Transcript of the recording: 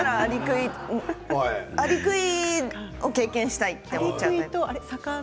アリクイを経験したいと思っちゃうタイプ。